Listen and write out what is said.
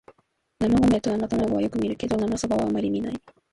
生米と生卵はよく見るけど生麦はあまり見ない